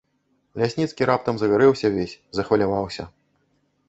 Лясніцкі раптам загарэўся ўвесь, захваляваўся.